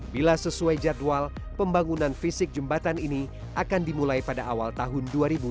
bila sesuai jadwal pembangunan fisik jembatan ini akan dimulai pada awal tahun dua ribu dua puluh